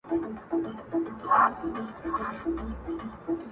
هغه زما زړه ته د کلو راهيسې لار کړې ده’